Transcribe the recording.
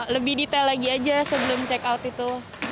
lebih detail lagi aja sebelum check out itu